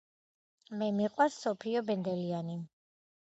მე მიყვარს სოფიო ბენდელიანი